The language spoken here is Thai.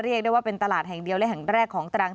เรียกได้ว่าเป็นตลาดแห่งเดียวและแห่งแรกของตรัง